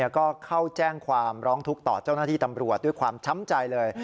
ก็เข้าแจ้งความร้องทุกข์ต่อเจ้าหน้าที่ตำรวจด้วยความช้ำใจเลย